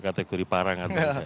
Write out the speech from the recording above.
kategori parang atau enggak